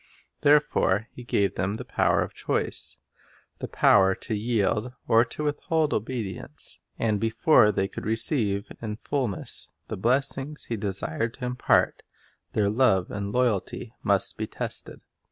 There fore He gave them the power of choice — the power to yield or to withhold obedience. And before they could receive in fulness the blessings He desired to impart, their love and loyalty must be tested.